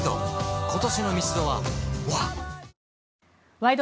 「ワイド！